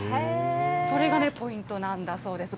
それがね、ポイントなんだそうです。